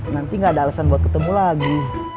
nanti gak ada alasan buat ketemu lagi